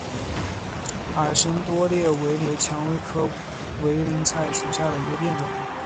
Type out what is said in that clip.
矮生多裂委陵菜为蔷薇科委陵菜属下的一个变种。